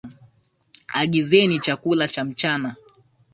Agizeni chakula cha mchana.